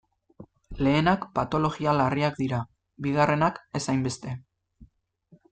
Lehenak patologia larriak dira, bigarrenak ez hainbeste.